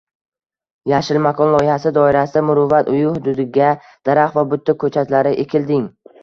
“Yashil makon” loyihasi doirasida “Muruvvat uyi” hududiga daraxt va buta ko‘chatlari ekilding